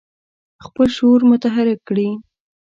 خپل شعور متحرک کړي.